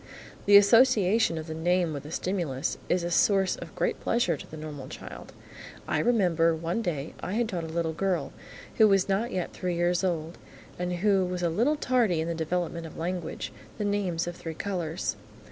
The association of the name with the stimulus is a source of great pleasure to the normal child. I remember, one day, I had taught a little girl, who was not yet three years old, and who was a little tardy in the development of language, the names of three colours.